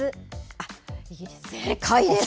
あっ、正解です。